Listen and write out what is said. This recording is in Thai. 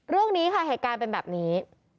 เรื่องนี้ค่ะเหตุการณ์เป็นแบบนี้